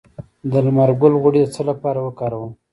د لمر ګل غوړي د څه لپاره وکاروم؟